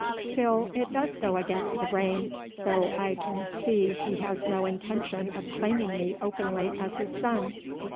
"Still it does go against the grain, though I can see he has no intention of claiming me openly as his son.